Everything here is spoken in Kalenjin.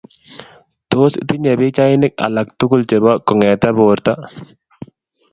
Tos, itinye pikchainik alaf tugul chebo kongete borto